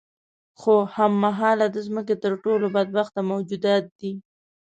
خو هم مهاله د ځمکې تر ټولو بدبخته موجودات دي.